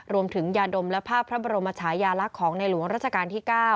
รวมถึงยาดมและภาพพระบรมชายาลักษณ์ของในหลวงราชการที่๙